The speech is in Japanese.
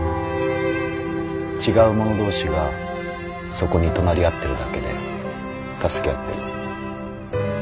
違うもの同士がそこに隣り合ってるだけで助け合ってる。